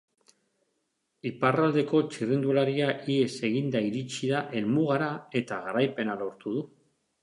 Iparraldeko txirrindularia ihes eginda iritsi da helmugara eta garaipena lortu du.